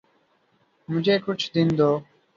مجھے کچھ دن دو۔